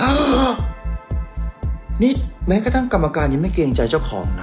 นี่แม้กระทั่งกรรมการยังไม่เกรงใจเจ้าของนะ